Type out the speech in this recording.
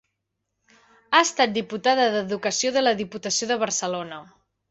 Ha estat diputada d'Educació de la Diputació de Barcelona.